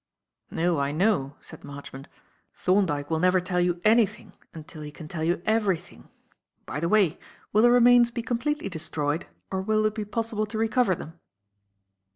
"No, I know," said Marchmont. "Thorndyke will never tell you anything until he can tell you everything. By the way, will the remains be completely destroyed or will it be possible to recover them?"